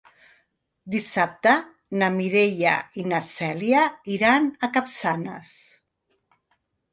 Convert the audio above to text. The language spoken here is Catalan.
Dissabte na Mireia i na Cèlia iran a Capçanes.